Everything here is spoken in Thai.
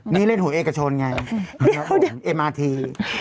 นี่เล่นหัวเอกชนไงเอ็มอาร์ที